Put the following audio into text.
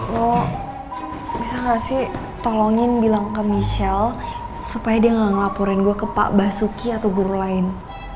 lo bisa gak sih tolongin bilang ke michelle supaya dia nggak ngelaporin gue ke pak basuki atau guru lain